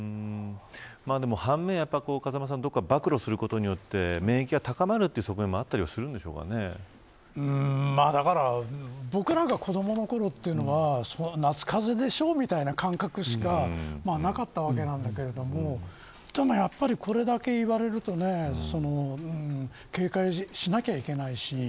半面、風間さん、どこかで暴露することによって免疫が高まるという側面も僕なんかが子どものころは夏風邪でしょう、みたいな感覚しかなかったわけなんだけれどもでもやはり、これだけ言われると警戒しなきゃいけないし。